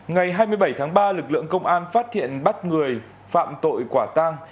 ngày hai mươi bảy tháng ba lực lượng công an phát hiện bắt người phạm tội quả tang